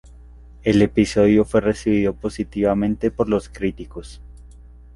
El episodio fue recibido positivamente por los críticos.